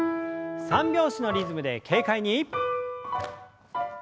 三拍子のリズムで軽快に。